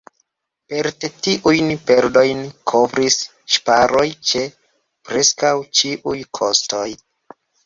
Parte tiujn perdojn kovris ŝparoj ĉe preskaŭ ĉiuj kostoj.